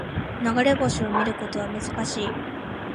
流れ星を見ることは難しい